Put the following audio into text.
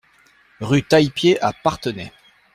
Rue Taillepied à Parthenay